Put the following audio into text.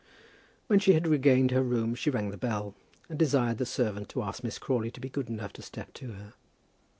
When she had regained her room she rang the bell, and desired the servant to ask Miss Crawley to be good enough to step to her.